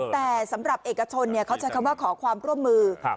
แต่สำหรับเอกชนเขาใช้คำว่าขอความร่วมมือ